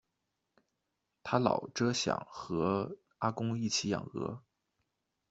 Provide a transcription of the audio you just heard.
她老著想和阿公一起养鹅